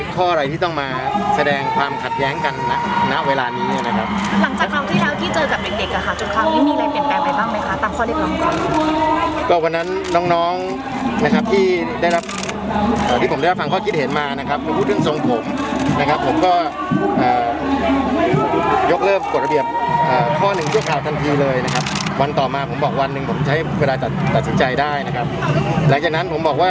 ข้ออะไรที่ต้องมาแสดงความขัดแย้งกัน